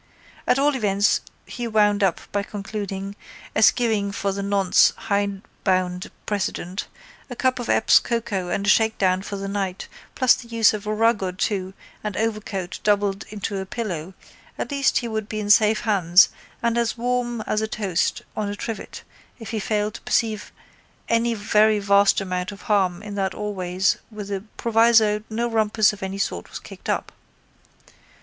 At all events he wound up by concluding, eschewing for the nonce hidebound precedent, a cup of Epps's cocoa and a shakedown for the night plus the use of a rug or two and overcoat doubled into a pillow at least he would be in safe hands and as warm as a toast on a trivet he failed to perceive any very vast amount of harm in that always with the proviso no rumpus of any sort was kicked up.